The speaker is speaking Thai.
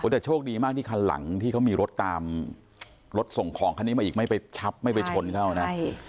แต่โชคดีมากที่คันหลังที่เขามีรถตามรถส่งของคันนี้มาอีกไม่ไปชับไม่ไปชนเขานะใช่